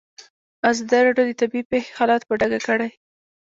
ازادي راډیو د طبیعي پېښې حالت په ډاګه کړی.